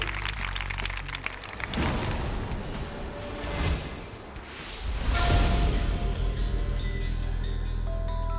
โปรดติดตามตอนต่อไป